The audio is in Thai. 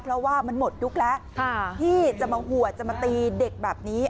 เพราะว่ามันหมดยุคแล้วที่จะมาหวดจะมาตีเด็กแบบนี้